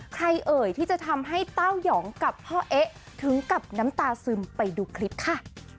เอ่ยที่จะทำให้เต้ายองกับพ่อเอ๊ะถึงกับน้ำตาซึมไปดูคลิปค่ะ